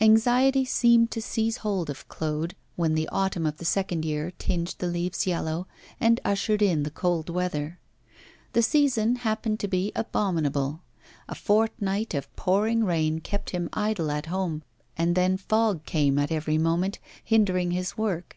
Anxiety seemed to seize hold of Claude, when the autumn of the second year tinged the leaves yellow, and ushered in the cold weather. The season happened to be abominable; a fortnight of pouring rain kept him idle at home; and then fog came at every moment, hindering his work.